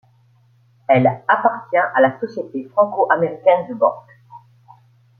Elle appartient à la Société franco-américaine de banque.